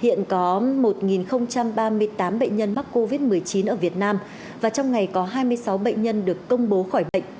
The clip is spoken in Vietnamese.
hiện có một ba mươi tám bệnh nhân mắc covid một mươi chín ở việt nam và trong ngày có hai mươi sáu bệnh nhân được công bố khỏi bệnh